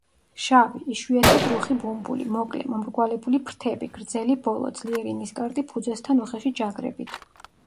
შავი, იშვიათად რუხი ბუმბული, მოკლე, მომრგვალებული ფრთები, გრძელი ბოლო, ძლიერი ნისკარტი ფუძესთან უხეში „ჯაგრებით“.